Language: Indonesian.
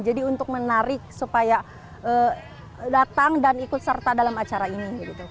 jadi untuk menarik supaya datang dan ikut serta dalam acara ini